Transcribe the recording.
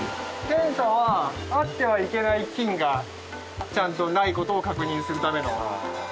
検査はあってはいけない菌がちゃんとない事を確認するための。